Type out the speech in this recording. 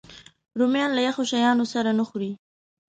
رومیان له یخو شیانو سره نه خوري